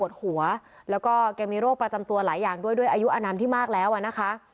แล้วก็แกมีโรคประจำตัวหลายอย่างด้วยด้วยอายุอนันต์ที่มากแล้วอ่ะนะคะ